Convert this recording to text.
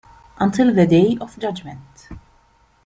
Until the Day of Judgment.